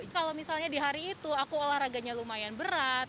kalau misalnya di hari itu aku olahraganya lumayan berat